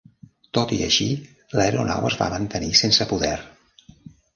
Tot i així, l'aeronau es va mantenir sense poder.